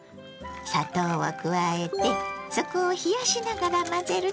砂糖を加えて底を冷やしながら混ぜると泡立ちやすいのよ。